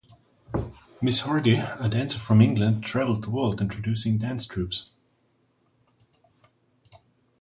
Ms. Hardy, a dancer from England, traveled the world instructing dance troupes.